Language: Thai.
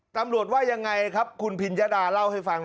ตำรวจว่ายังไงครับคุณพิญญาดาเล่าให้ฟังหน่อย